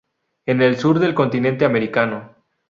En el sur del continente americano.